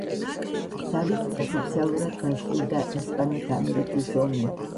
ზავით ოფიციალურად დასრულდა ესპანეთ-ამერიკის ომი.